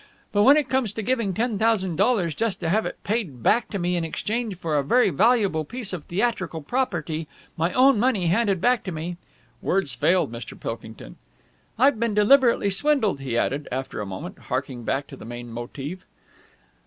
But when it comes to giving ten thousand dollars just to have it paid back to me in exchange for a very valuable piece of theatrical property ... my own money ... handed back to me...!" Words failed Mr. Pilkington. "I've been deliberately swindled!" he added, after a moment, harking back to the main motive.